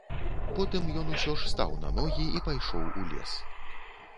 Потым ён усё ж стаў на ногі і пайшоў у лес.